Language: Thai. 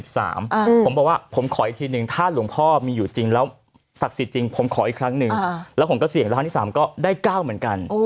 ผมบอกว่าผมขออีกทีนึงถ้าหลวงพ่อมีอยู่จริงแล้วศักดิ์สิทธิ์จริงผมขออีกครั้งหนึ่งแล้วผมก็เสี่ยงแล้วครั้งที่๓ก็ได้๙เหมือนกัน